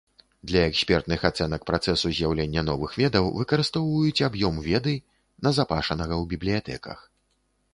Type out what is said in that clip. Для экспертных ацэнак працэсу з'яўлення новых ведаў выкарыстоўваюць аб'ём веды, назапашанага ў бібліятэках.